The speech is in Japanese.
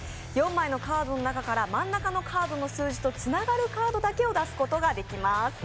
４枚のカードの中から真ん中のカードの数字とつながるカードだけを出すことができます